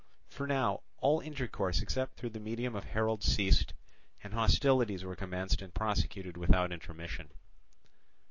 For now all intercourse except through the medium of heralds ceased, and hostilities were commenced and prosecuted without intermission.